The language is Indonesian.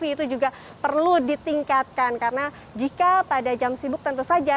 itu juga perlu ditingkatkan karena jika pada jam sibuk tentu saja